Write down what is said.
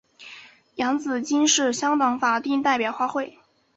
洋紫荆是香港法定代表花卉。